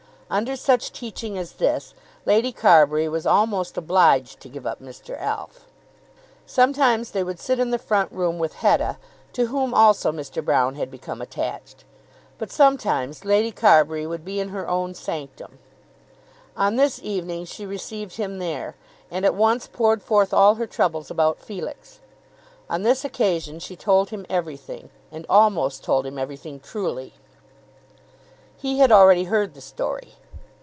Under such teaching as this, Lady Carbury was almost obliged to give up Mr. Alf. Sometimes they would sit in the front room with Hetta, to whom also Mr. Broune had become attached; but sometimes Lady Carbury would be in her own sanctum. On this evening she received him there, and at once poured forth all her troubles about Felix. On this occasion she told him everything, and almost told him everything truly. He had already heard the story.